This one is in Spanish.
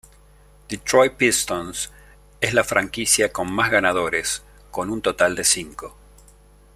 Detroit Pistons es la franquicia con más ganadores, con un total de cinco.